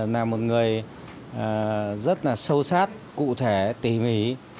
là một người rất là sâu sát cụ thể tỉ mỉ